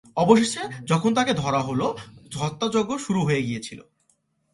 অবশেষে যখন তাকে ধরা হলো, হত্যাযজ্ঞ শুরু হয়ে গিয়েছিল।